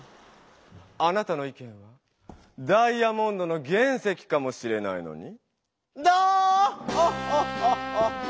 あなたの意見はダイヤモンドの原石かもしれないのに！